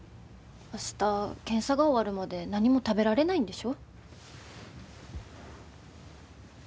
明日検査が終わるまで何も食べられないんでしょ？